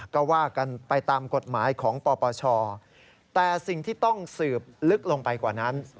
ก็ว่ากันไปตามกฎหมายของปปชแต่สิ่งที่ต้องสืบลึกลงไปกว่านั้น